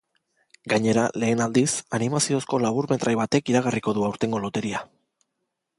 Gainera, lehen aldiz, animaziozko laburmetrai batek iragarriko du aurtengo loteria.